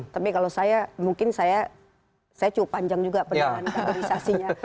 tapi kalau saya mungkin saya cukup panjang juga penanganan kaderisasinya